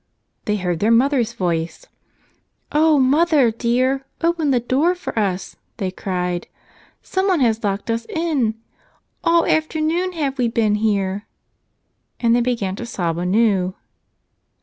They heard their mother's voice. "O mother dear, open the door for us," they cried. "Some one has locked us in. All afternoon have we been here," and they began to sob anew.